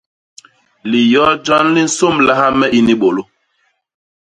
Liyot jon li nsômlaha me ini bôlô.